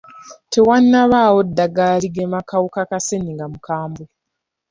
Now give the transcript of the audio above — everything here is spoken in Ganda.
Tewannabaawo ddagala ligema kawuka ka ssennyiga omukambwe.